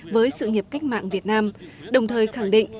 với sự nghiệp cách mạng việt nam đồng thời khẳng định